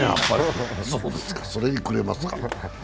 それにくれますか。